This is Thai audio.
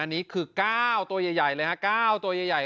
อันนี้คือ๙ตัวใหญ่เลยฮะ๙ตัวใหญ่